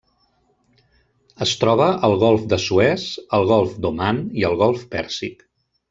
Es troba al golf de Suez, el golf d'Oman i el golf Pèrsic.